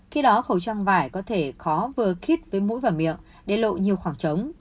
khi đó khẩu trang vải có thể khó vừa kit với mũi và miệng để lộ nhiều khoảng trống